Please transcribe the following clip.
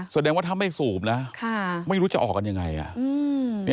แสดงว่าถ้าไม่สูบนะไม่รู้จะออกกันยังไงอ่ะ